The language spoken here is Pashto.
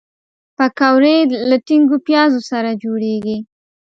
پکورې له ټینګو پیازو سره جوړیږي